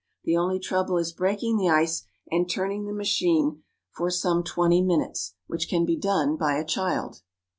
The only trouble is breaking the ice and turning the machine for some twenty minutes, which can be done by a child.